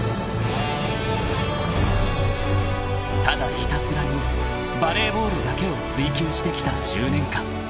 ［ただひたすらにバレーボールだけを追求してきた１０年間］